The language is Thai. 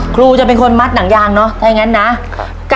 ครูจะเป็นคนมัดหนังยางเนาะถ้าอย่างนั้นนะ